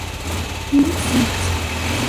DivX, Inc.